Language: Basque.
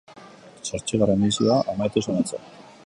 Zortzigarren edizioa amaitu zen atzo.